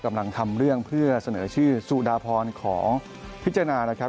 กำลังทำเรื่องเพื่อเสนอชื่อสุดาพรขอพิจารณานะครับ